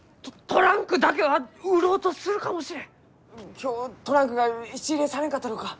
今日トランクが質入れされんかったろうか？